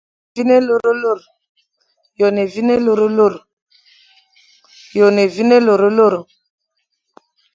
Yô e ne évîne, élurélur.